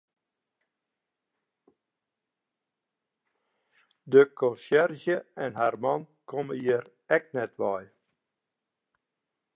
De konsjerzje en har man komme hjir ek net wei.